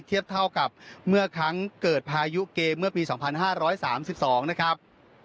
เทียบเท่ากับเมื่อครั้งเกิดพายุเกมเมื่อปี๒๕๓๒นะครับ